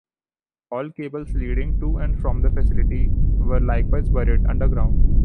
All cables leading to and from the facility were likewise buried underground.